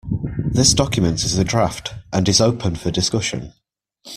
This document is a draft, and is open for discussion